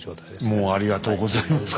もうありがとうございます。